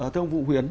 thưa ông vũ huyến